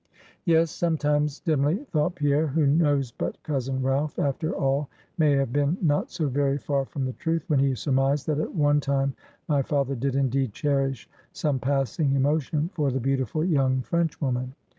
Yes sometimes dimly thought Pierre who knows but cousin Ralph, after all, may have been not so very far from the truth, when he surmised that at one time my father did indeed cherish some passing emotion for the beautiful young Frenchwoman.